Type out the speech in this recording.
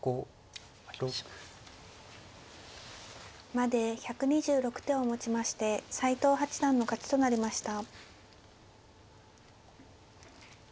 まで１２６手を持ちまして斎藤八段の勝ちとなりました。